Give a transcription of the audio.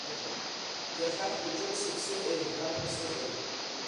Иахьа хәыҷык сыԥсы еивгашәа сыҟоуп.